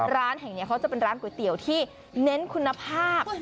ร้านแห่งนี้เขาจะเป็นร้านก๋วยเตี๋ยวที่เน้นคุณภาพ